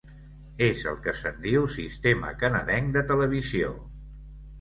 És el que se'n diu, sistema canadenc de televisió.